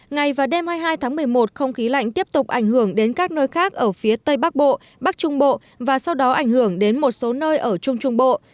ngày và đêm hai mươi hai tháng một mươi một không khí lạnh tiếp tục ảnh hưởng đến các nơi khác ở phía tây bắc bộ bắc trung bộ và sau đó ảnh hưởng đến một số nơi ở trung trung bộ